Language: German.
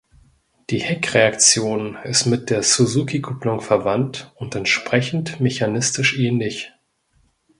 Die Heck-Reaktion ist mit der Suzuki-Kupplung verwandt und entsprechend mechanistisch ähnlich.